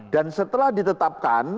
dan setelah ditetapkan